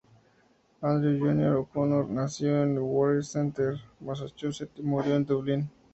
Andrew Junior O'Connor nació en Worcester, Massachusetts, y murió en Dublín.